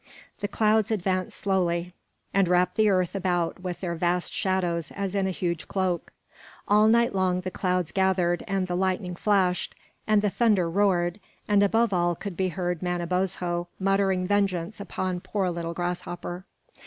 The clouds advanced slowly and wrapped the earth about with their vast shadows as in a huge cloak. All night long the clouds gathered, and the lightning flashed, and the thunder roared, and above all could be heard Manabozho muttering vengeance upon poor little Grasshopper.